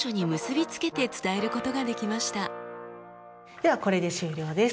ではこれで終了です。